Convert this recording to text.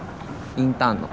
インターンの。